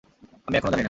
আমি এখনও জানি না।